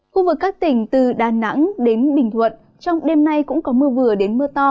khu vực các tỉnh từ đà nẵng đến bình thuận trong đêm nay cũng có mưa vừa đến mưa to